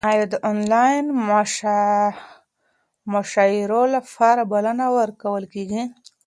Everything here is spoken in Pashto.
ایا د انلاین مشاعرو لپاره بلنه ورکول کیږي؟